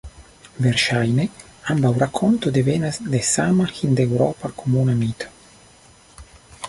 Verŝajne ambaŭ rakonto devenas de sama hindeŭropa komuna mito.